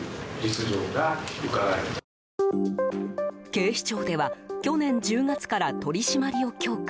警視庁では、去年１０月から取り締まりを強化。